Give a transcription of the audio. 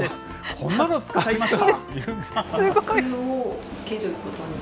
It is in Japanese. こんなの使いました。